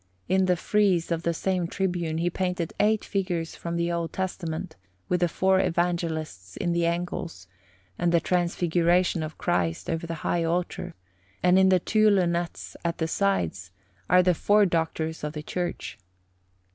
In the frieze of the same tribune he painted eight figures from the Old Testament, with the four Evangelists in the angles, and the Transfiguration of Christ over the high altar; and in the two lunettes at the sides are the four Doctors of the Church.